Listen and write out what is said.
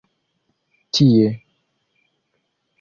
tie